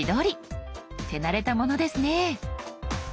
手慣れたものですね。